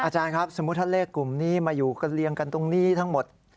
อาจารย์ครับสมมุติถ้าเลขกลุ่มนี้มาอยู่กันเรียงกันตรงนี้ทั้งหมด